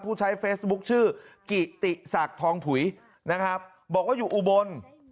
ผู้ใช้เฟซบุ๊คชื่อกิติศักดิ์ทองผุยนะครับบอกว่าอยู่อุบล